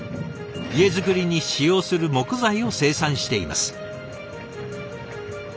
家造りに使用する木材を生産しています。